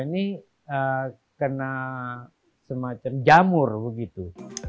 dari bandar ini kena semacam jamur begitu